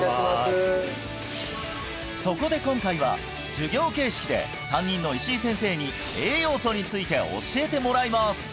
そこで今回は授業形式で担任の石井先生に栄養素について教えてもらいます